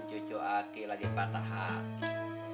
cucu aki lagi patah hati